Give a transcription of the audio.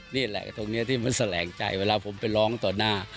นี่แหละตรงนี้ที่มันแสลงใจเวลาผมไปร้องต่อหน้า